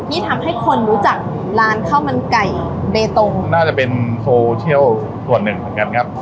ที่ทำให้คนรู้จักร้านข้าวมันไก่เบตงน่าจะเป็นโซเชียลส่วนหนึ่งเหมือนกันครับ